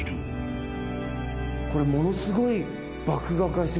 これものすごい。